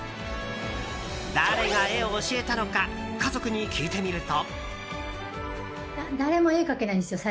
誰が絵を教えたのか家族に聞いてみると。